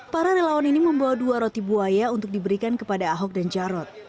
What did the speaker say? para relawan ini membawa dua roti buaya untuk diberikan kepada ahok dan jarot